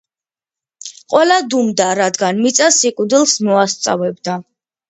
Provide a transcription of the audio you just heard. ყველა დუმდა, რადგან მიწა სიკვდილს მოასწავებდა.